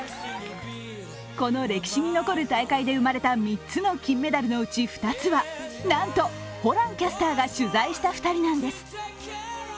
この歴史に残る大会で生まれた３つの金メダルのうち２つは、なんとホランキャスターが取材した２人なんです。